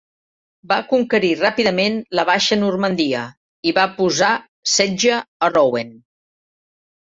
Va conquerir ràpidament la Baixa Normandia, i va posar setge a Rouen.